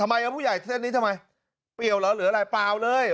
ผู้ใหญ่เส้นนี้ทำไมเปรี้ยวเหรอหรืออะไรเปล่าเลย